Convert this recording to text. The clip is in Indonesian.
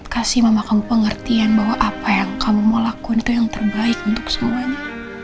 kasih mama kamu pengertian bahwa apa yang kamu mau lakuin itu yang terbaik untuk semuanya